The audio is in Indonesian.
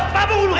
pak bung ulu